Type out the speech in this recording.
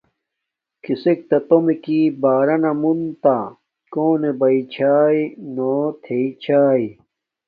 کسک تہ تومیکی بارانا مونتہ، کونے بیݵ چھاݷ نو تنی چھݵ،